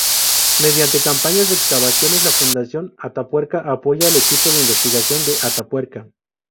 Mediante campañas de excavaciones la Fundación Atapuerca apoya al Equipo de Investigación de Atapuerca.